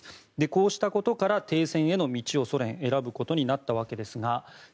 こうしたことから停戦への道をソ連は選ぶことになったわけですが。